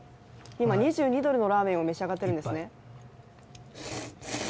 今、２２ドルのラーメンを召し上がってるんですね。